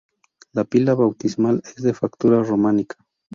La Pila Bautismal es de factura Románica.